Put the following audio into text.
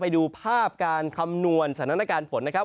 ไปดูภาพการคำนวณสถานการณ์ฝนนะครับ